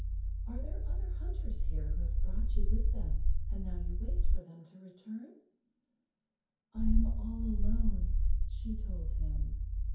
Are there other hunters[Pg 26] here who have brought you with them and now you wait for them to return?" "I am all alone," she told him.